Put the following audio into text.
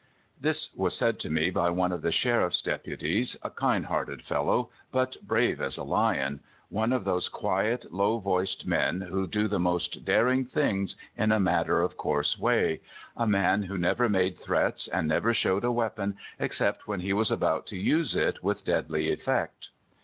This was said to me by one of the sheriff's dep uties, a kind hearted fellow, but brave as a lion — one of those quiet, low voiced men who do the most daring things in a matter of course way — a man who never made threats and never showed a weapon except when he was about to use it with deadly effect.